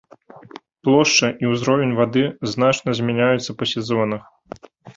Плошча і ўзровень вады значна змяняюцца па сезонах.